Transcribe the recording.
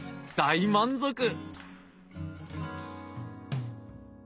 大満足！